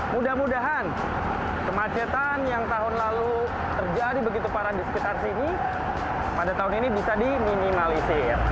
mudah mudahan kemacetan yang tahun lalu terjadi begitu parah di sekitar sini pada tahun ini bisa diminimalisir